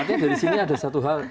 artinya dari sini ada satu hal